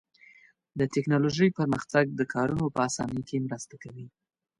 د تکنالوژۍ پرمختګ د کارونو په آسانۍ کې مرسته کوي.